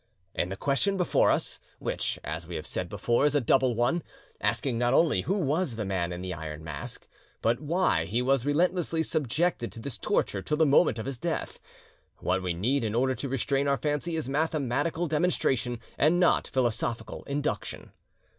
In the question before us, which, as we said before, is a double one, asking not only who was the Man in the Iron Mask, but why he was relentlessly subjected to this torture till the moment of his death, what we need in order to restrain our fancy is mathematical demonstration, and not philosophical induction.